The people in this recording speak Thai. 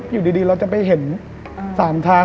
อยู่ดีเราจะไปเห็น๓ทาง